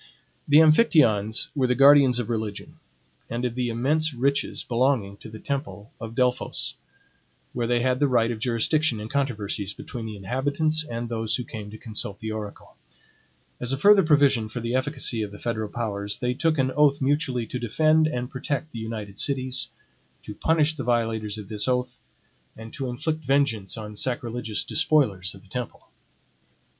The Amphictyons were the guardians of religion, and of the immense riches belonging to the temple of Delphos, where they had the right of jurisdiction in controversies between the inhabitants and those who came to consult the oracle. As a further provision for the efficacy of the federal powers, they took an oath mutually to defend and protect the united cities, to punish the violators of this oath, and to inflict vengeance on sacrilegious despoilers of the temple.